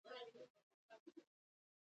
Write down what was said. امن ارزښتناک دی.